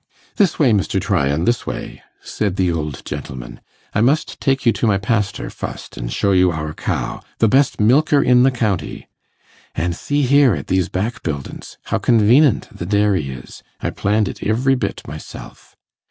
'This way, Mr. Tryan, this way,' said the old gentleman; 'I must take you to my pastur fust, an' show you our cow the best milker i' the county. An' see here at these backbuildins, how convenent the dairy is; I planned it ivery bit myself.